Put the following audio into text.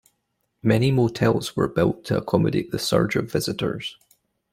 Many hotels were built to accommodate the surge of visitors.